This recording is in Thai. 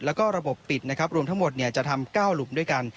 แล้วก็ระบบปิดนะครับรวมทั้งหมดจะทำ๙หลุมด้วยกัน